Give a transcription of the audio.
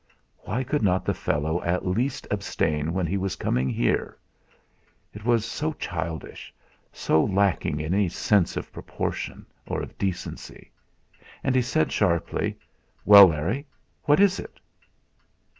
Why could not the fellow at least abstain when he was coming here! It was so childish, so lacking in any sense of proportion or of decency! And he said sharply: "Well, Larry, what is it?"